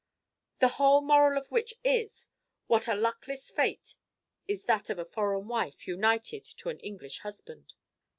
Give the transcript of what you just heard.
"The whole moral of which is: what a luckless fate is that of a foreign wife United to an English husband!"